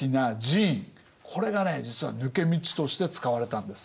これがね実は抜け道として使われたんです。